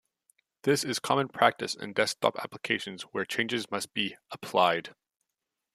This is common practice in desktop applications where changes must be "Applied".